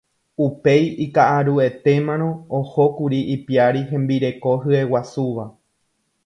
Upéi ika'aruetémarõ ohókuri ipiári hembireko hyeguasúva.